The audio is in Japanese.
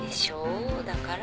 だから。